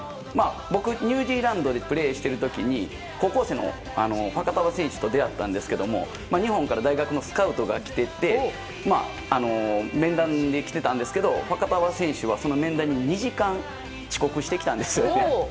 僕、ニュージーランドでプレーしている時に高校生のファカタヴァ選手と出会ったんですけど日本から大学のスカウトが来ていて面談で来てたんですけどファカタヴァ選手はその面談に２時間遅刻してきたんですね。